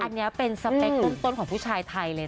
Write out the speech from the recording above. อันนี้เป็นสเปครุ่นต้นของผู้ชายไทยเลยนะ